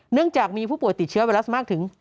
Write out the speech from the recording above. เนื่องจากมีผู้ป่วยติดเชื้อไวรัสมากถึง